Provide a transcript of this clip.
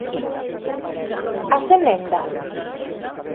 ¿As emendas?